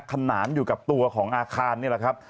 ขนานอยู่กับตัวของอาคารนี่แหละครับ